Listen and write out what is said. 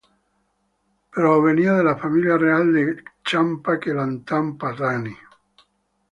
Provenía de la familia real de Champa-Kelantan-Pattani.